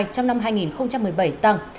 trong năm hai nghìn một mươi bảy tăng